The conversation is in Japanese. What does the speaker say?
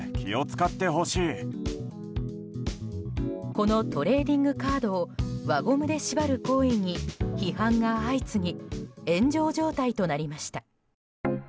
このトレーディングカードを輪ゴムで縛る行為に批判が相次ぎ炎上状態となりました。